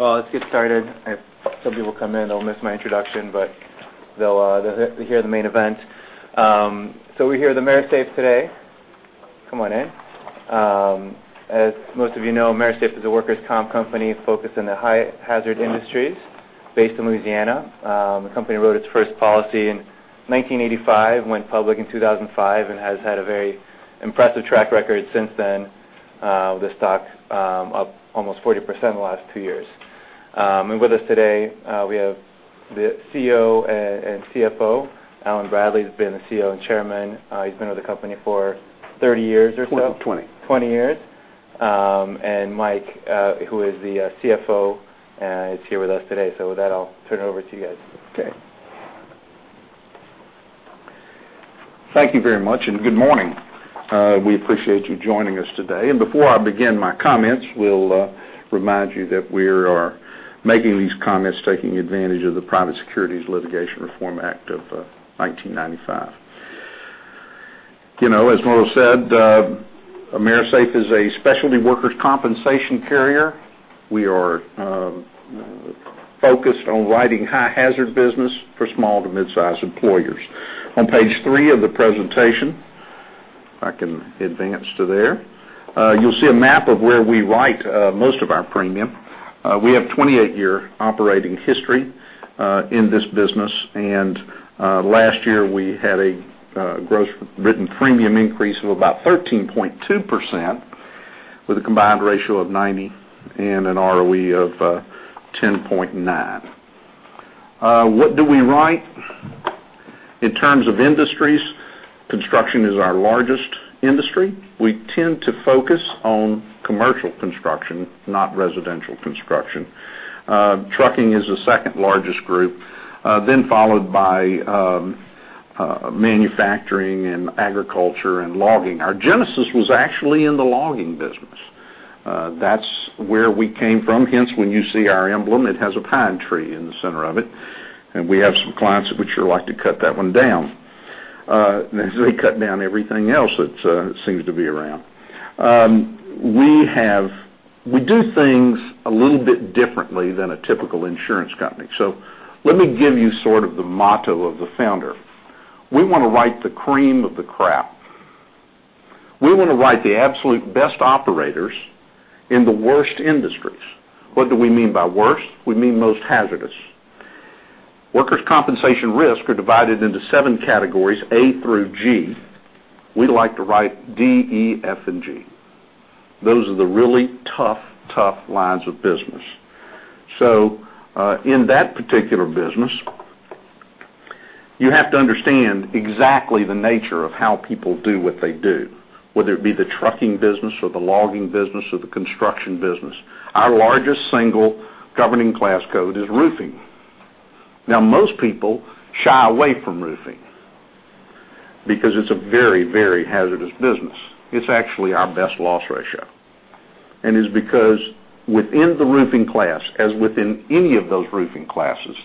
Let's get started. If some people come in, they'll miss my introduction, but they'll hear the main event. We're here with AMERISAFE today. Come on in. As most of you know, AMERISAFE is a workers' comp company focused in the high hazard industries based in Louisiana. The company wrote its first policy in 1985, went public in 2005, and has had a very impressive track record since then. The stock up almost 40% in the last two years. With us today, we have the CEO and CFO. Allen Bradley has been the CEO and Chairman. He's been with the company for 30 years or so. 20. 20 years. Mike, who is the CFO, is here with us today. With that, I'll turn it over to you guys. Okay. Thank you very much. Good morning. We appreciate you joining us today. Before I begin my comments, we'll remind you that we are making these comments taking advantage of the Private Securities Litigation Reform Act of 1995. As Noel said, AMERISAFE is a specialty workers' compensation carrier. We are focused on writing high hazard business for small to mid-size employers. On page three of the presentation, if I can advance to there, you'll see a map of where we write most of our premium. We have 28 year operating history in this business, and last year we had a gross written premium increase of about 13.2% with a combined ratio of 90 and an ROE of 10.9. What do we write? In terms of industries, construction is our largest industry. We tend to focus on commercial construction, not residential construction. Trucking is the second largest group, followed by manufacturing and agriculture and logging. Our genesis was actually in the logging business. That's where we came from. Hence, when you see our emblem, it has a pine tree in the center of it, and we have some clients that would sure like to cut that one down. As they cut down everything else that seems to be around. We do things a little bit differently than a typical insurance company. Let me give you sort of the motto of the founder. We want to write the cream of the crop. We want to write the absolute best operators in the worst industries. What do we mean by worst? We mean most hazardous. Workers' compensation risks are divided into seven categories, A through G. We like to write D, E, F, and G. Those are the really tough lines of business. In that particular business, you have to understand exactly the nature of how people do what they do, whether it be the trucking business or the logging business or the construction business. Our largest single governing class code is roofing. Most people shy away from roofing because it's a very hazardous business. It's actually our best loss ratio, and it's because within the roofing class, as within any of those roofing classes,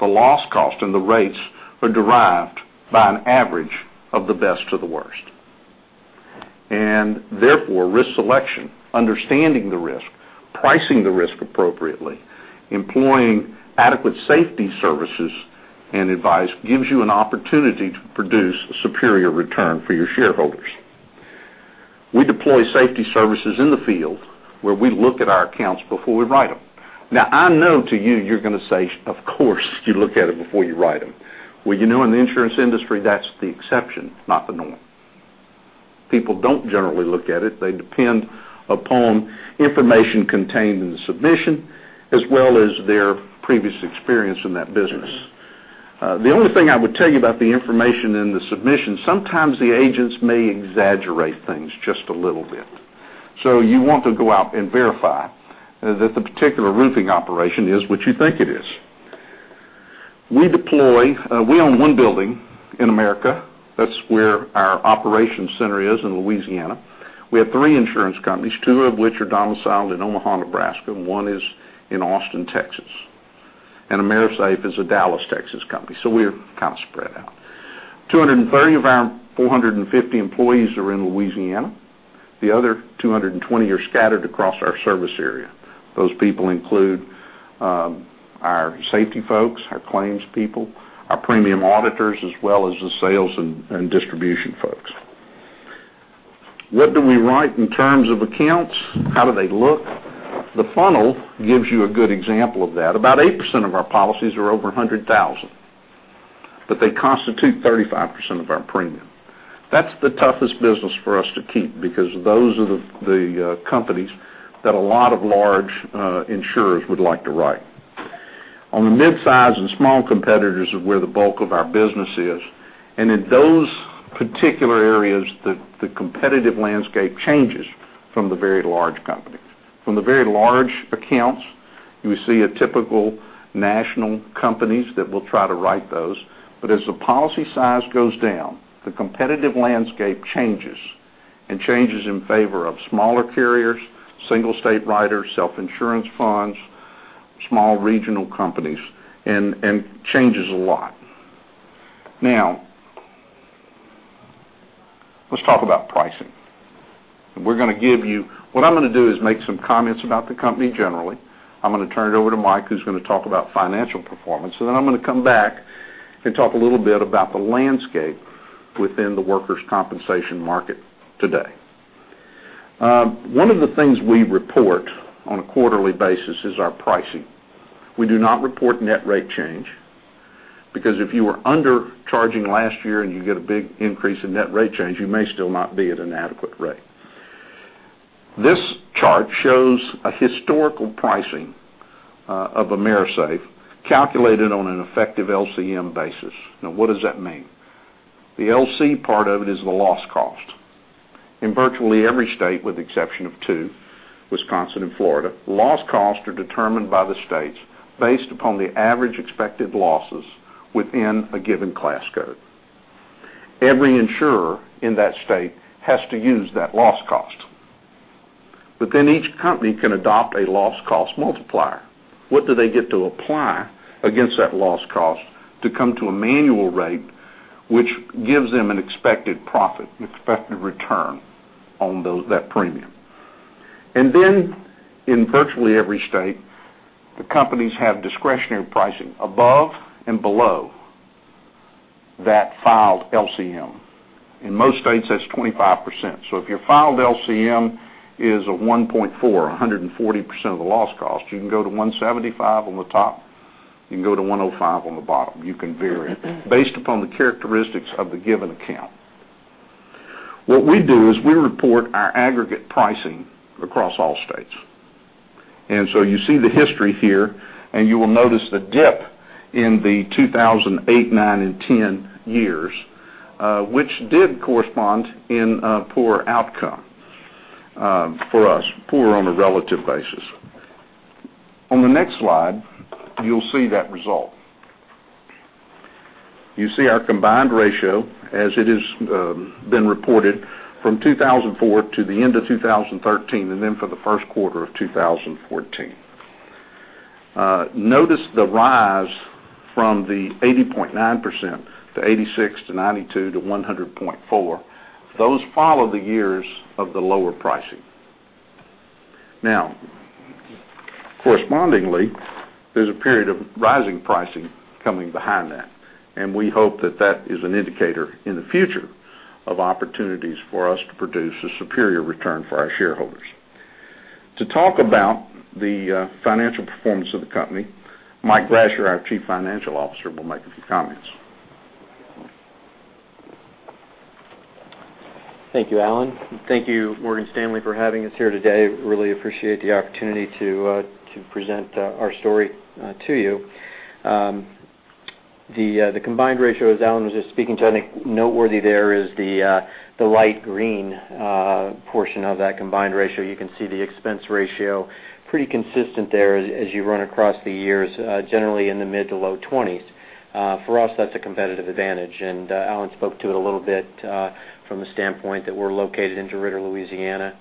the loss cost and the rates are derived by an average of the best to the worst. Therefore, risk selection, understanding the risk, pricing the risk appropriately, employing adequate safety services and advice gives you an opportunity to produce a superior return for your shareholders. We deploy safety services in the field where we look at our accounts before we write them. I know to you're going to say, "Of course, you look at it before you write them." Well, in the insurance industry, that's the exception, not the norm. People don't generally look at it. They depend upon information contained in the submission as well as their previous experience in that business. The only thing I would tell you about the information in the submission, sometimes the agents may exaggerate things just a little bit. You want to go out and verify that the particular roofing operation is what you think it is. We own one building in America. That's where our operations center is in Louisiana. We have three insurance companies, two of which are domiciled in Omaha, Nebraska, and one is in Austin, Texas. AMERISAFE is a Dallas, Texas company. We're kind of spread out. 230 of our 450 employees are in Louisiana. The other 220 are scattered across our service area. Those people include our safety folks, our claims people, our premium auditors, as well as the sales and distribution folks. What do we write in terms of accounts? How do they look? The funnel gives you a good example of that. About 8% of our policies are over $100,000, but they constitute 35% of our premium. That's the toughest business for us to keep because those are the companies that a lot of large insurers would like to write. On the midsize and small competitors are where the bulk of our business is. In those particular areas, the competitive landscape changes from the very large companies. From the very large accounts, you see a typical national companies that will try to write those. As the policy size goes down, the competitive landscape changes, and changes in favor of smaller carriers, single state writers, self-insurance funds, small regional companies, and changes a lot. Let's talk about pricing. What I'm going to do is make some comments about the company generally. I'm going to turn it over to Mike, who's going to talk about financial performance, and then I'm going to come back and talk a little bit about the landscape within the workers' compensation market today. One of the things we report on a quarterly basis is our pricing. We do not report net rate change, because if you were undercharging last year and you get a big increase in net rate change, you may still not be at an adequate rate. This chart shows a historical pricing of AMERISAFE calculated on an effective LCM basis. What does that mean? The LC part of it is the loss cost. In virtually every state, with the exception of two, Wisconsin and Florida, loss costs are determined by the states based upon the average expected losses within a given class code. Every insurer in that state has to use that loss cost. Each company can adopt a loss cost multiplier. What do they get to apply against that loss cost to come to a manual rate, which gives them an expected profit, an expected return on that premium? In virtually every state, the companies have discretionary pricing above and below that filed LCM. In most states, that's 25%. If your filed LCM is a 1.4, 140% of the loss cost, you can go to 175 on the top, you can go to 105 on the bottom. You can vary it based upon the characteristics of the given account. What we do is we report our aggregate pricing across all states. You see the history here, and you will notice the dip in the 2008, 2009, and 2010 years, which did correspond in a poor outcome for us, poor on a relative basis. On the next slide, you'll see that result. You see our combined ratio as it has been reported from 2004 to the end of 2013, and then for the first quarter of 2014. Notice the rise from the 80.9% to 86 to 92 to 100.4. Those follow the years of the lower pricing. Correspondingly, there's a period of rising pricing coming behind that, and we hope that that is an indicator in the future of opportunities for us to produce a superior return for our shareholders. To talk about the financial performance of the company, Mike Brasher, our Chief Financial Officer, will make a few comments. Thank you, Allen. Thank you, Morgan Stanley, for having us here today. Really appreciate the opportunity to present our story to you. The combined ratio, as Allen was just speaking to, I think noteworthy there is the light green portion of that combined ratio. You can see the expense ratio, pretty consistent there as you run across the years, generally in the mid to low 20s. For us, that's a competitive advantage, and Allen spoke to it a little bit from the standpoint that we're located in DeRidder, Louisiana.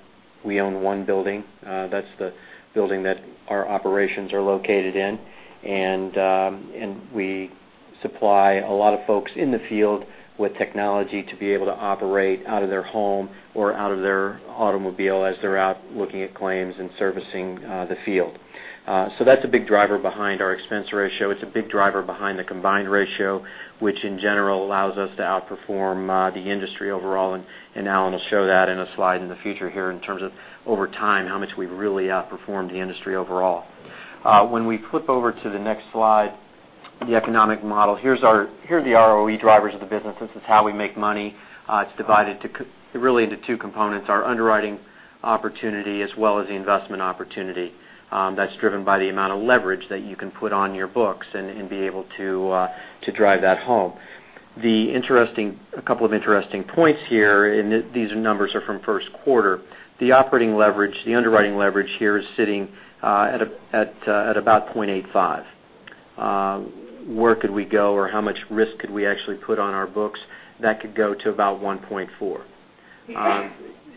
We own one building. That's the building that our operations are located in. We supply a lot of folks in the field with technology to be able to operate out of their home or out of their automobile as they're out looking at claims and servicing the field. That's a big driver behind our expense ratio. It's a big driver behind the combined ratio, which in general allows us to outperform the industry overall. Allen will show that in a slide in the future here in terms of over time, how much we've really outperformed the industry overall. When we flip over to the next slide, the economic model, here are the ROE drivers of the business. This is how we make money. It's divided really into two components, our underwriting opportunity as well as the investment opportunity. That's driven by the amount of leverage that you can put on your books and be able to drive that home. A couple of interesting points here. These numbers are from first quarter. The operating leverage, the underwriting leverage here is sitting at about 0.85. Where could we go or how much risk could we actually put on our books? That could go to about 1.4.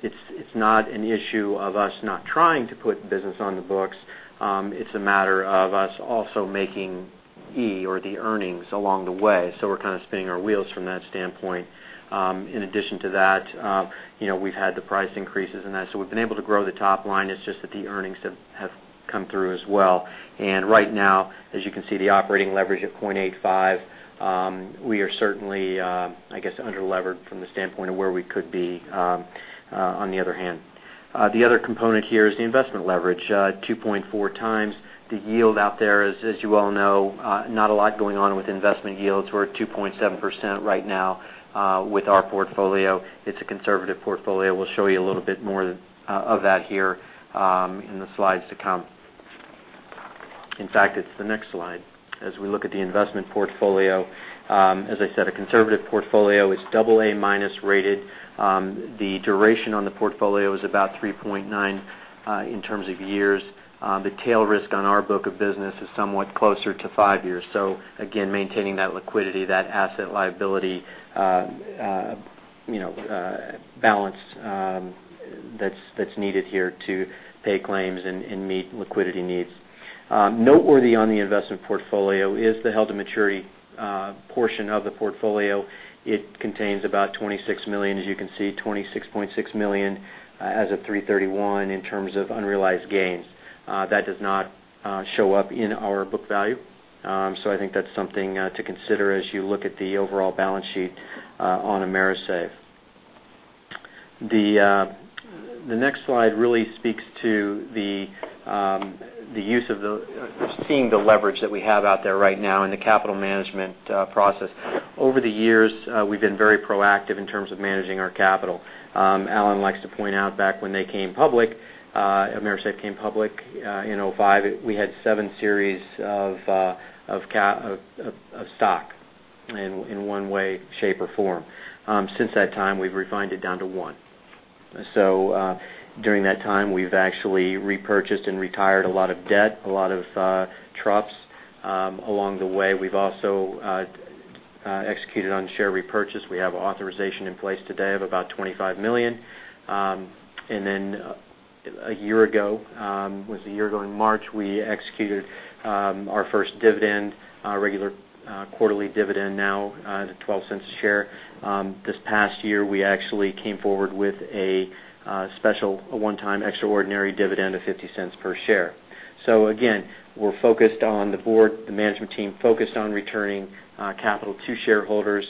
It's not an issue of us not trying to put business on the books. It's a matter of us also making E or the earnings along the way. We're kind of spinning our wheels from that standpoint. In addition to that, we've had the price increases and that. We've been able to grow the top line. It's just that the earnings have come through as well. Right now, as you can see, the operating leverage at 0.85. We are certainly, I guess, under-levered from the standpoint of where we could be on the other hand. The other component here is the investment leverage. 2.4 times the yield out there, as you all know, not a lot going on with investment yields. We're at 2.7% right now with our portfolio. It's a conservative portfolio. We'll show you a little bit more of that here in the slides to come. In fact, it's the next slide. As we look at the investment portfolio, as I said, a conservative portfolio is AA minus rated. The duration on the portfolio is about 3.9 in terms of years. The tail risk on our book of business is somewhat closer to five years. Again, maintaining that liquidity, that asset liability balance that's needed here to pay claims and meet liquidity needs. Noteworthy on the investment portfolio is the held-to-maturity portion of the portfolio. It contains about $26 million. As you can see, $26.6 million as of 3/31 in terms of unrealized gains. That does not show up in our book value. I think that's something to consider as you look at the overall balance sheet on AMERISAFE. The next slide really speaks to seeing the leverage that we have out there right now in the capital management process. Over the years, we've been very proactive in terms of managing our capital. Allen likes to point out back when AMERISAFE came public in 2005, we had seven series of stock in one way, shape, or form. Since that time, we've refined it down to one. During that time, we've actually repurchased and retired a lot of debt, a lot of tranches. Along the way, we've also executed on share repurchase. We have authorization in place today of about $25 million. A year ago in March, we executed our first dividend, our regular quarterly dividend, now at $0.12 a share. This past year, we actually came forward with a special one-time extraordinary dividend of $0.50 per share. Again, the management team focused on returning capital to shareholders,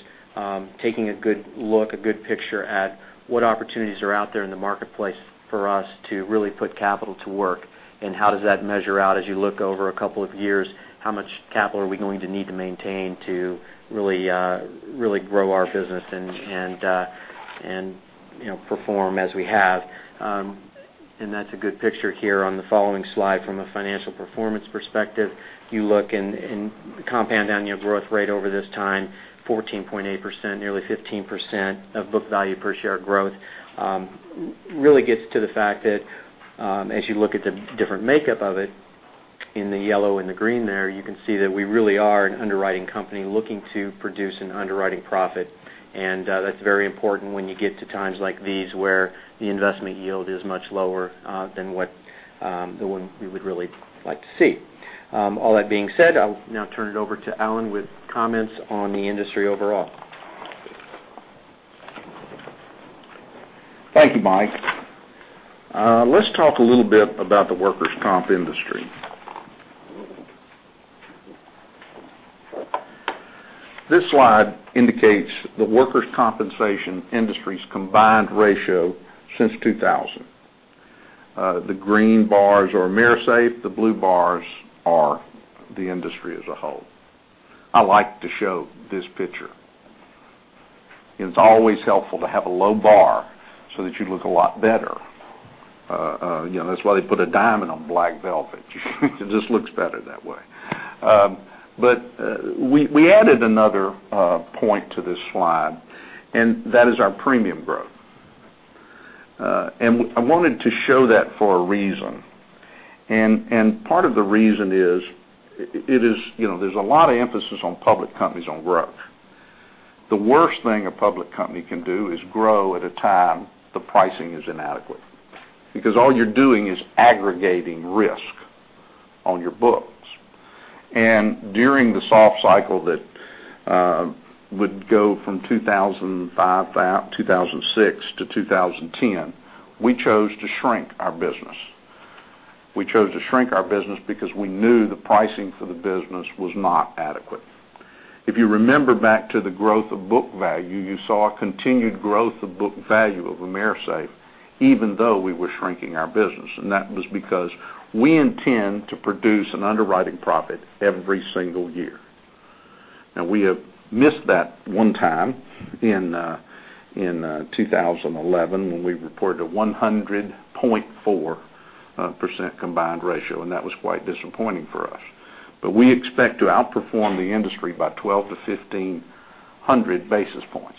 taking a good look, a good picture at what opportunities are out there in the marketplace for us to really put capital to work and how does that measure out as you look over a couple of years, how much capital are we going to need to maintain to really grow our business and perform as we have. That's a good picture here on the following slide from a financial performance perspective. If you look and Compound Annual Growth Rate over this time, 14.8%, nearly 15% of book value per share growth. Really gets to the fact that as you look at the different makeup of it in the yellow and the green there, you can see that we really are an underwriting company looking to produce an underwriting profit. That's very important when you get to times like these, where the investment yield is much lower than what we would really like to see. All that being said, I'll now turn it over to C. Allen with comments on the industry overall. Thank you, Mike. Let's talk a little bit about the workers' comp industry. This slide indicates the workers' compensation industry's combined ratio since 2000. The green bars are AMERISAFE, the blue bars are the industry as a whole. I like to show this picture. It's always helpful to have a low bar so that you look a lot better. That's why they put a diamond on black velvet. It just looks better that way. We added another point to this slide, and that is our premium growth. I wanted to show that for a reason. Part of the reason is, there's a lot of emphasis on public companies on growth. The worst thing a public company can do is grow at a time the pricing is inadequate, because all you're doing is aggregating risk on your books. During the soft cycle that would go from 2005, 2006 to 2010, we chose to shrink our business. We chose to shrink our business because we knew the pricing for the business was not adequate. If you remember back to the growth of book value, you saw a continued growth of book value of AMERISAFE, even though we were shrinking our business. That was because we intend to produce an underwriting profit every single year. We have missed that one time in 2011 when we reported a 100.4% combined ratio, and that was quite disappointing for us. We expect to outperform the industry by 1,200-1,500 basis points.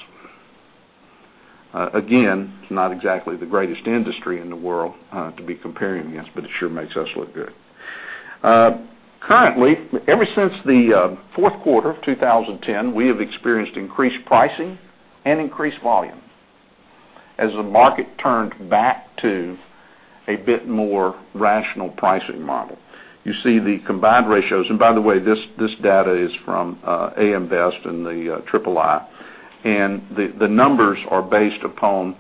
It's not exactly the greatest industry in the world to be comparing against, but it sure makes us look good. Currently, ever since the fourth quarter of 2010, we have experienced increased pricing and increased volume as the market turned back to a bit more rational pricing model. You see the combined ratios. This data is from AM Best and the III, and the numbers are based upon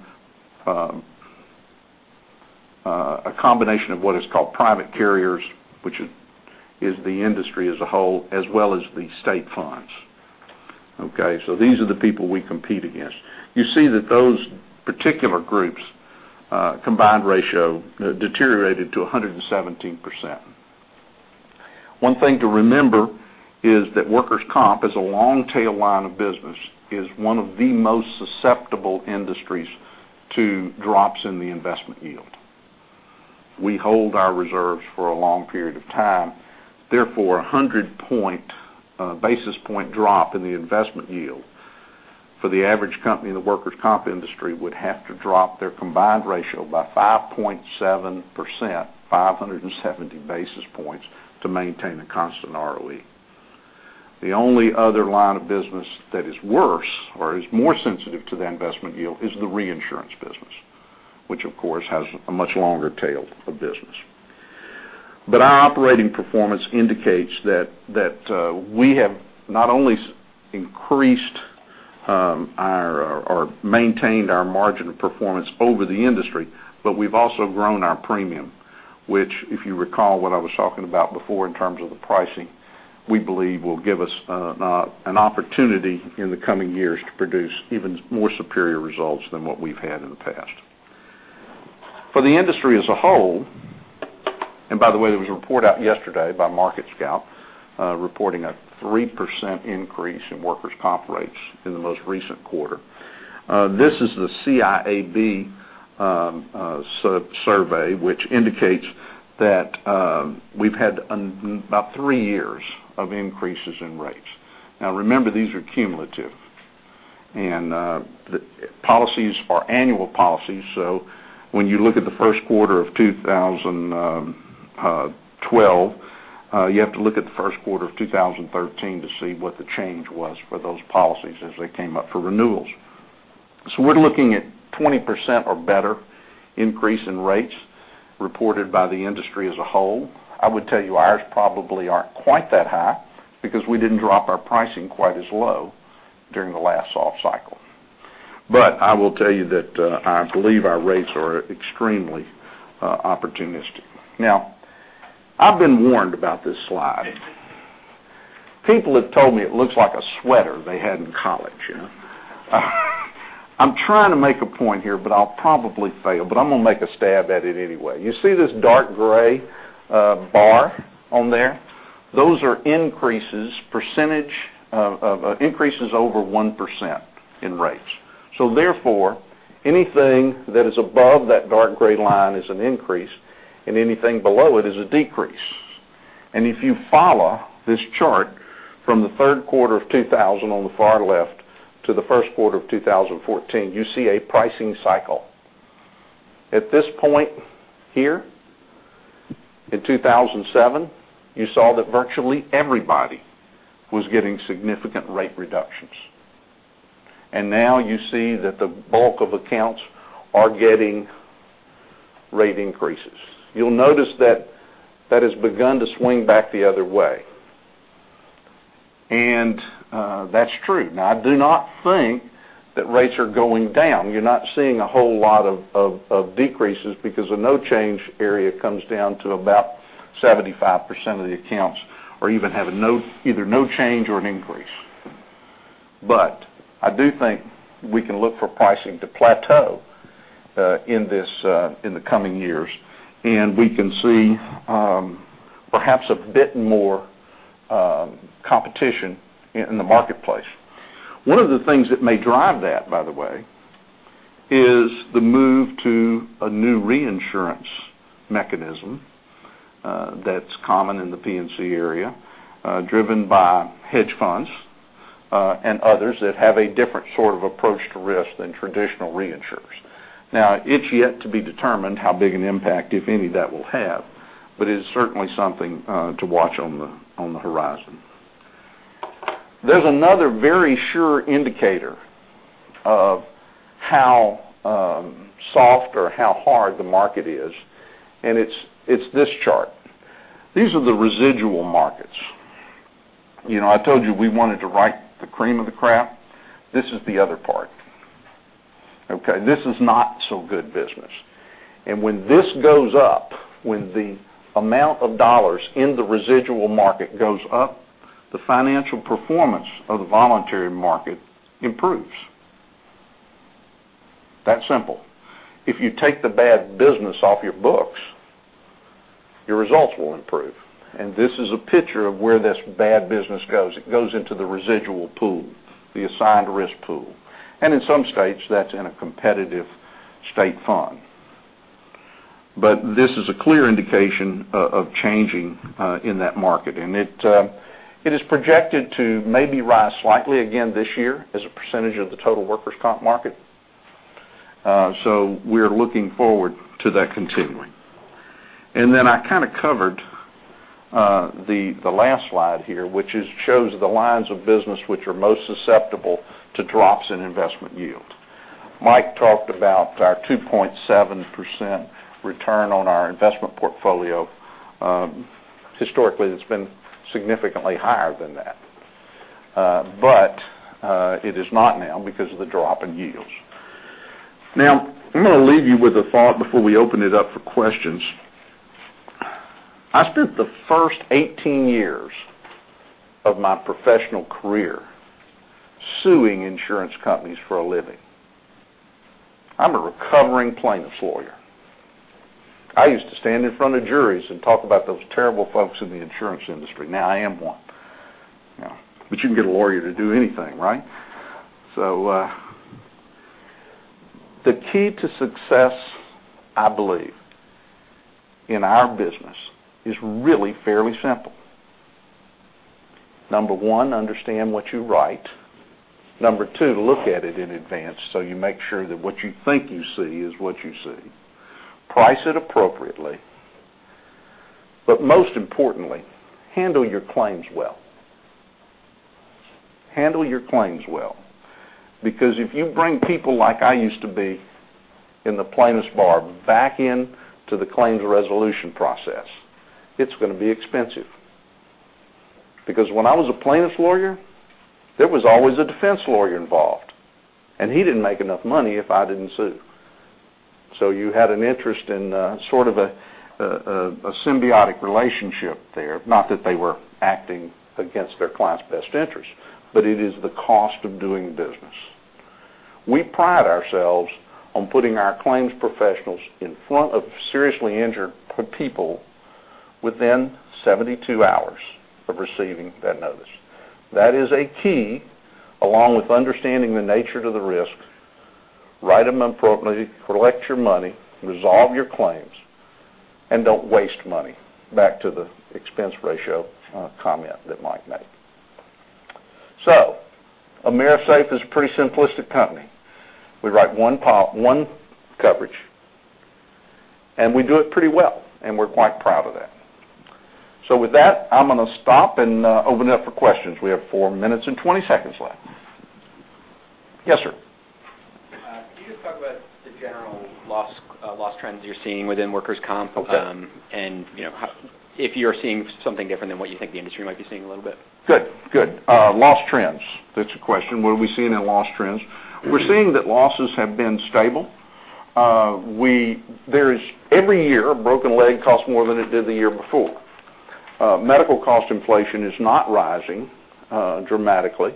a combination of what is called private carriers, which is the industry as a whole, as well as the state funds. Okay? These are the people we compete against. You see that those particular groups' combined ratio deteriorated to 117%. One thing to remember is that workers' comp is a long-tail line of business, is one of the most susceptible industries to drops in the investment yield. We hold our reserves for a long period of time. Therefore, 100 basis point drop in the investment yield for the average company in the workers' comp industry would have to drop their combined ratio by 5.7%, 570 basis points to maintain a constant ROE. The only other line of business that is worse or is more sensitive to the investment yield is the reinsurance business, which of course has a much longer tail of business. Our operating performance indicates that we have not only increased or maintained our margin of performance over the industry, but we've also grown our premium, which if you recall what I was talking about before in terms of the pricing, we believe will give us an opportunity in the coming years to produce even more superior results than what we've had in the past. For the industry as a whole, there was a report out yesterday by MarketScout, reporting a 3% increase in workers' comp rates in the most recent quarter. This is the CIAB survey, which indicates that we've had about three years of increases in rates. Remember, these are cumulative, and the policies are annual policies, so when you look at the first quarter of 2012, you have to look at the first quarter of 2013 to see what the change was for those policies as they came up for renewals. We're looking at 20% or better increase in rates reported by the industry as a whole. I would tell you ours probably aren't quite that high because we didn't drop our pricing quite as low during the last off cycle. I will tell you that I believe our rates are extremely opportunistic. I've been warned about this slide. People have told me it looks like a sweater they had in college. I'm trying to make a point here, but I'll probably fail. I'm going to make a stab at it anyway. You see this dark gray bar on there? Those are increases, percentage of increases over 1% in rates. Therefore, anything that is above that dark gray line is an increase, and anything below it is a decrease. If you follow this chart from the third quarter of 2000 on the far left to the first quarter of 2014, you see a pricing cycle. At this point here in 2007, you saw that virtually everybody was getting significant rate reductions, and now you see that the bulk of accounts are getting rate increases. You'll notice that has begun to swing back the other way, and that's true. I do not think that rates are going down. You're not seeing a whole lot of decreases because a no change area comes down to about 75% of the accounts or even have either no change or an increase. I do think we can look for pricing to plateau in the coming years and we can see perhaps a bit more competition in the marketplace. One of the things that may drive that, by the way, is the move to a new reinsurance mechanism that's common in the P&C area, driven by hedge funds, and others that have a different sort of approach to risk than traditional reinsurers. It's yet to be determined how big an impact, if any, that will have, but it is certainly something to watch on the horizon. There's another very sure indicator of how soft or how hard the market is, and it's this chart. These are the residual markets. I told you we wanted to write the cream of the crop. This is the other part. Okay? This is not so good business. When this goes up, when the amount of dollars in the residual market goes up, the financial performance of the voluntary market improves. That simple. If you take the bad business off your books, your results will improve. This is a picture of where this bad business goes. It goes into the residual pool, the assigned risk pool. In some states, that's in a competitive state fund. This is a clear indication of changing in that market, and it is projected to maybe rise slightly again this year as a percentage of the total workers' comp market. We're looking forward to that continuing. I kind of covered the last slide here, which shows the lines of business which are most susceptible to drops in investment yield. Mike talked about our 2.7% return on our investment portfolio. Historically, it's been significantly higher than that. It is not now because of the drop in yields. I'm going to leave you with a thought before we open it up for questions. I spent the first 18 years of my professional career suing insurance companies for a living. I'm a recovering plaintiff's lawyer. I used to stand in front of juries and talk about those terrible folks in the insurance industry. I am one. You can get a lawyer to do anything, right? The key to success, I believe, in our business is really fairly simple. Number one, understand what you write. Number two, look at it in advance so you make sure that what you think you see is what you see. Price it appropriately. Most importantly, handle your claims well. Handle your claims well, because if you bring people like I used to be in the plaintiffs bar back in to the claims resolution process, it's going to be expensive. When I was a plaintiff lawyer, there was always a defense lawyer involved, and he didn't make enough money if I didn't sue. You had an interest in sort of a symbiotic relationship there. Not that they were acting against their client's best interests, but it is the cost of doing business. We pride ourselves on putting our claims professionals in front of seriously injured people within 72 hours of receiving that notice. That is a key, along with understanding the nature of the risk, write them appropriately, collect your money, resolve your claims, and don't waste money. Back to the expense ratio comment that Mike made. AMERISAFE is a pretty simplistic company. We write one coverage, and we do it pretty well, and we're quite proud of that. With that, I'm going to stop and open it up for questions. We have four minutes and 20 seconds left. Yes, sir. Can you just talk about the general loss trends you're seeing within workers' comp? Okay. If you're seeing something different than what you think the industry might be seeing a little bit. Good. Loss trends. That's a question. What are we seeing in loss trends? We're seeing that losses have been stable. Every year, a broken leg costs more than it did the year before. Medical cost inflation is not rising dramatically.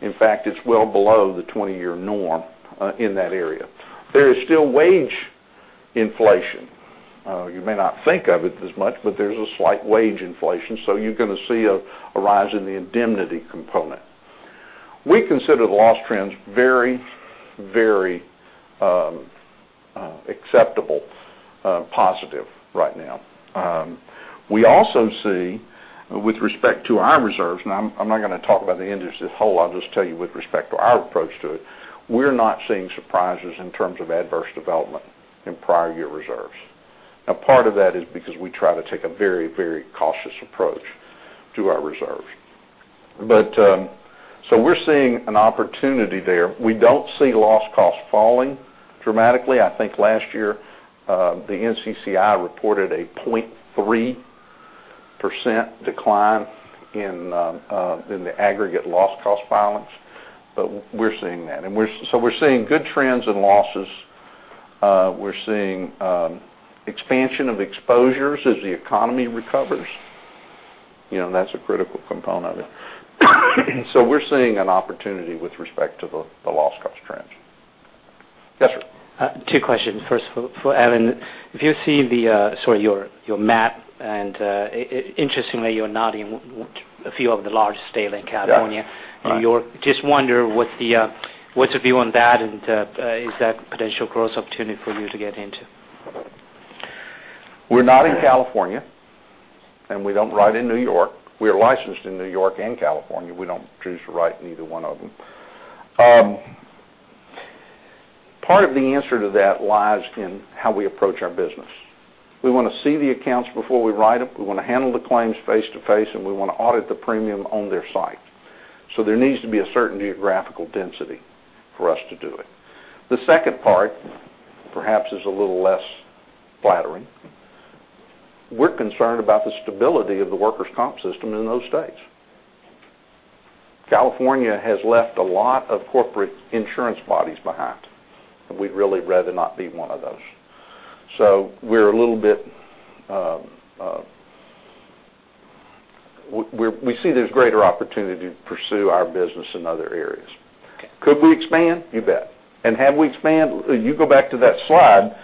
In fact, it's well below the 20-year norm in that area. There is still wage inflation. You may not think of it as much, but there's a slight wage inflation, so you're going to see a rise in the indemnity component. We consider the loss trends very acceptable, positive right now. We also see, with respect to our reserves, now I'm not going to talk about the industry as whole, I'll just tell you with respect to our approach to it, we're not seeing surprises in terms of adverse development in prior year reserves. Part of that is because we try to take a very cautious approach to our reserves. We're seeing an opportunity there. We don't see loss cost falling dramatically. I think last year, the NCCI reported a 0.3% decline in the aggregate loss cost filings, we're seeing that. We're seeing good trends in losses. We're seeing expansion of exposures as the economy recovers. That's a critical component of it. We're seeing an opportunity with respect to the loss cost trends. Yes, sir. Two questions. First for Allen. If you see your map, and interestingly, you're not in a few of the large states like California- Yeah. -New York. Just wonder what's your view on that, and is that a potential growth opportunity for you to get into? We're not in California, and we don't write in New York. We're licensed in New York and California. We don't choose to write in either one of them. Part of the answer to that lies in how we approach our business. We want to see the accounts before we write them, we want to handle the claims face-to-face, and we want to audit the premium on their site. There needs to be a certain geographical density for us to do it. The second part, perhaps, is a little less flattering. We're concerned about the stability of the workers' comp system in those states. California has left a lot of corporate insurance bodies behind, and we'd really rather not be one of those. We see there's greater opportunity to pursue our business in other areas. Okay. Could we expand? You bet. Have we expanded? You go back to that slide.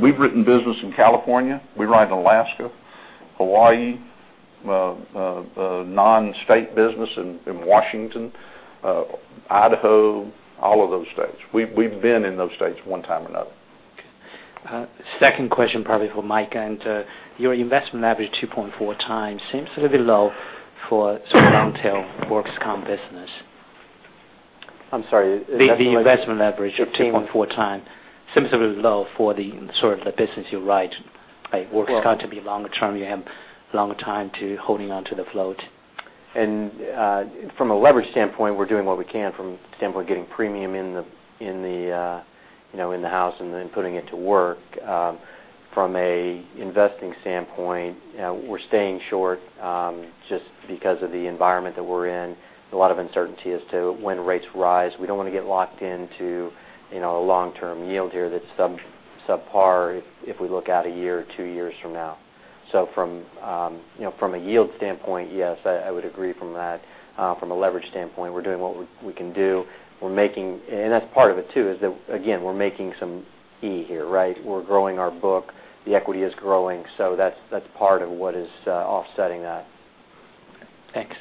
We've written business in California. We write in Alaska, Hawaii, non-state business in Washington, Idaho, all of those states. We've been in those states one time or another. Okay. Second question, probably for Mike. Your investment leverage 2.4 times seems a little bit low for some long tail workers' comp business. I'm sorry. Investment leverage. The investment leverage of 2.4 times seems a bit low for the sort of the business you write. Workers' comp to be longer term, you have longer time to holding onto the float. From a leverage standpoint, we're doing what we can from the standpoint of getting premium in the house and then putting it to work. From a investing standpoint, we're staying short, just because of the environment that we're in. There's a lot of uncertainty as to when rates rise. We don't want to get locked into a long-term yield here that's subpar if we look out a year or two years from now. From a yield standpoint, yes, I would agree from that. From a leverage standpoint, we're doing what we can do. That's part of it too, is that, again, we're making some E here, right? We're growing our book. The equity is growing, so that's part of what is offsetting that. Thanks.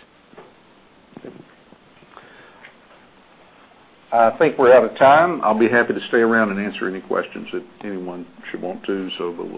I think we're out of time. I'll be happy to stay around and answer any questions if anyone should want to.